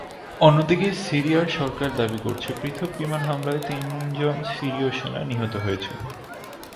অন্যদিকে সিরিয়ার সরকার দাবি করেছে, পৃথক বিমান হামলায় তিনজন সিরীয় সেনা নিহত হয়েছে।